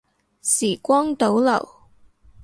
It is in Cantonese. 時光倒流